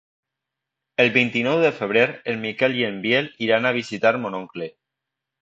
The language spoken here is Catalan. El vint-i-nou de febrer en Miquel i en Biel iran a visitar mon oncle.